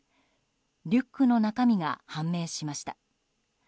リュックの中身が判明しました。